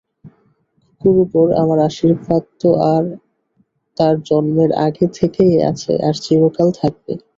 খুকুর উপর আমার আশীর্বাদ তো তার জন্মের আগে থেকেই আছে, আর চিরকাল থাকবে।